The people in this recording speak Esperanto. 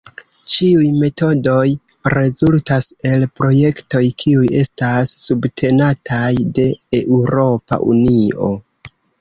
Ĉiuj metodoj rezultas el projektoj kiuj estas subtenataj de Eŭropa Unio.